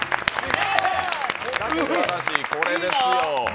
すばらしい、これですよ。